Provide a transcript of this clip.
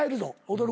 『踊る！